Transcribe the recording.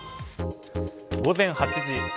午前８時。